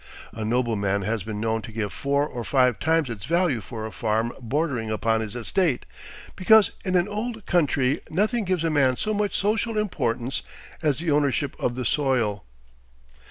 A nobleman has been known to give four or five times its value for a farm bordering upon his estate, because in an old country nothing gives a man so much social importance as the ownership of the soil.